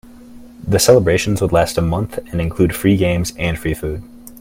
The celebrations would last a month and include free games and free food.